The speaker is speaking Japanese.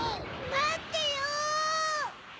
まってよ！